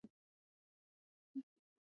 په افغانستان کې ستوني غرونه شتون لري.